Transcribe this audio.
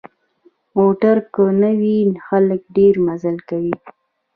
موټر که نه وي، خلک ډېر مزل کوي.